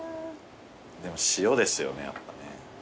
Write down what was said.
塩ですよねやっぱね。